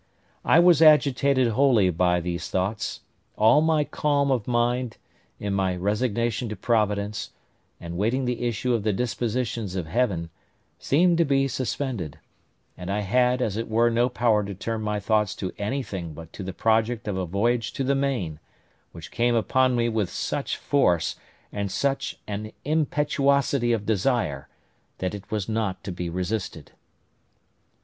I was agitated wholly by these thoughts; all my calm of mind, in my resignation to Providence, and waiting the issue of the dispositions of Heaven, seemed to be suspended; and I had as it were no power to turn my thoughts to anything but to the project of a voyage to the main, which came upon me with such force, and such an impetuosity of desire, that it was not to be resisted.